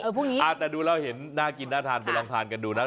พวกนี้แต่ดูแล้วเห็นน่ากินน่าทานไปลองทานกันดูนะ